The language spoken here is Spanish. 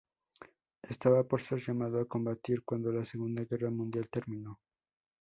Estaba por ser llamado a combatir cuando la Segunda Guerra Mundial terminó.